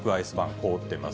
凍ってます。